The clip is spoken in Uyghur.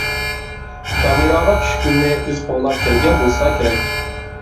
كامېراغا چۈشكىنىمنى ئىز قوغلاپ كەلگەن بولسا كېرەك.